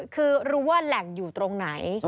คือรู้ว่าแหล่งอยู่ตรงไหน